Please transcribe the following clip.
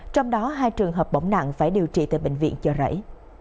trong đó hai trường hợp bỏng nặng phải điều trị tại bệnh viện chợ rẫy